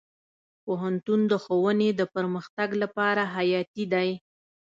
پوهنتون د ښوونې د پرمختګ لپاره حیاتي دی.